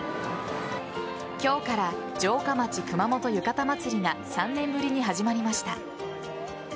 今日から城下町くまもとゆかた祭が３年ぶりに始まりました。